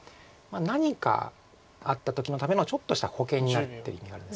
何かあった時のためのちょっとした保険になってる意味があるんです。